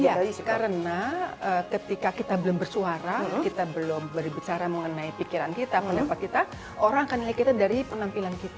iya karena ketika kita belum bersuara kita belum berbicara mengenai pikiran kita pendapat kita orang akan nilai kita dari penampilan kita